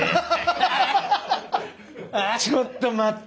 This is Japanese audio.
ちょっと待って。